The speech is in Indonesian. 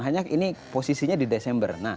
hanya ini posisinya di desember